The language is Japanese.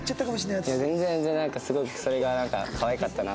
いや全然すごくそれがなんかかわいかったなと思って。